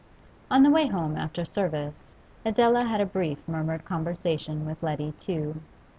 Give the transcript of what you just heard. On the way home after service, Adela had a brief murmured conversation with Letty Tew.